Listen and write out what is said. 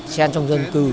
xen trong dân cư